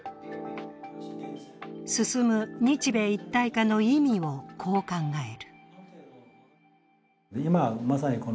進む日米一体化の意味を、こう考える。